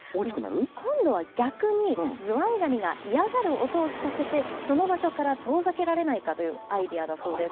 今度は逆にズワイガニが嫌がる音を聴かせて、その場所から遠ざけられないかというアイデアだそうです。